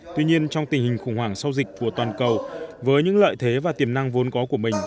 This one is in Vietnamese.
tuy nhiên trong tình hình khủng hoảng sau dịch của toàn cầu với những lợi thế và tiềm năng vốn có của mình